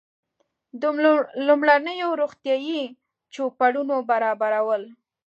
د لومړنیو روغتیایي چوپړونو برابرول.